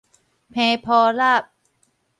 伻鋪納